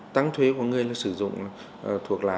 tăng thuế của người sử dụng thuốc lá